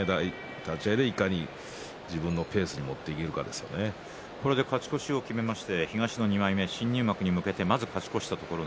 立ち合いでいかに自分のペースにこれで勝ち越しを決めて東の２枚目、新入幕に向けてまずは勝ち越し。